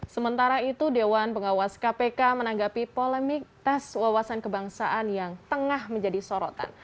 sementara itu dewan pengawas kpk menanggapi polemik tes wawasan kebangsaan yang tengah menjadi sorotan